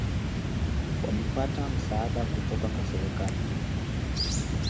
Walipata msaada kutoka kwa serikali